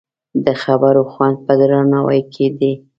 د خبرو خوند په درناوي کې دی